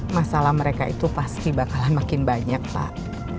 masalah mereka itu pasti bakalan makin banyak pak